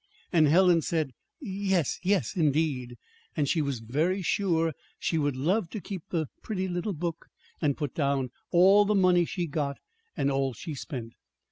And Helen said yes, yes, indeed. And she was very sure she would love to keep the pretty little book, and put down all the money she got, and all she spent.